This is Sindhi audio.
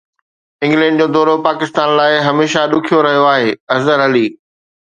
انگلينڊ جو دورو پاڪستان لاءِ هميشه ڏکيو رهيو آهي اظهر علي